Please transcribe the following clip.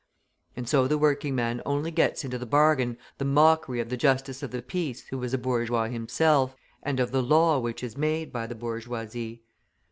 And so the working man only gets into the bargain the mockery of the Justice of the Peace who is a bourgeois himself, and of the law which is made by the bourgeoisie.